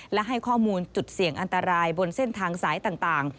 และให้ข้อมูลจุดเสี่ยงอันตรายบนเส้นทางสายต่าง